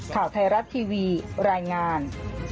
ข่าวไทยรัฐทีวีรายงาน